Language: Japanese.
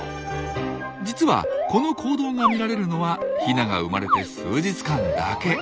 実はこの行動が見られるのはヒナが生まれて数日間だけ。